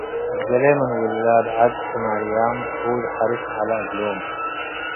ገሌ ምን ውላድ ዐድ ትማርያም ሑድ ሐርስ ዐለ እግሎም ።